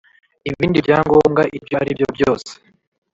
ibindi byangomwa ibyo aribyo byose